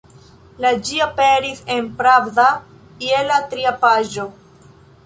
La ĝi aperis en «Pravda» je la tria paĝo.